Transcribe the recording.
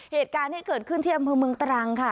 เหตุการณ์ที่เกิดขึ้นที่อำเภอเมืองตรังค่ะ